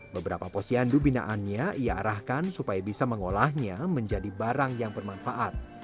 beberapa posyandu binaannya ia arahkan supaya bisa mengolahnya menjadi barang yang bermanfaat